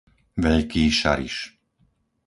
Veľký Šariš